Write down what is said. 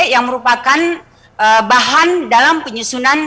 yang merupakan bahan dalam penyusunan